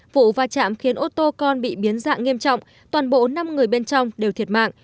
vụ va chạm khiến ô tô con bị biến dạng nghiêm trọng toàn bộ năm người bên trong đều thiệt mạng